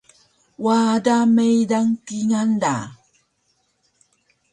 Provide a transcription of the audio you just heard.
Wada meydang kingal da